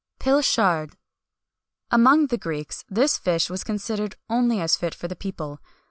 [XXI 200] PILCHARD. Among the Greeks this fish was considered only as fit for the people.